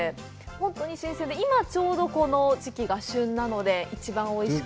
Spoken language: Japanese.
本当に新鮮で、今、ちょうどこの時期が一番おいしく。